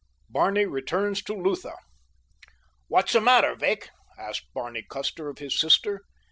BARNEY RETURNS TO LUTHA "What's the matter, Vic?" asked Barney Custer of his sister.